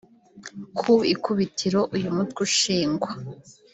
Ku ikubitiro uyu mutwe ushingwa